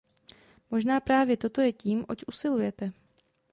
Možná právě toto je tím, oč usilujete.